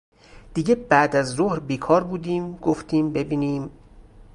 دیگه بعد از ظهر بیکار بودیم گفتیم ببینیم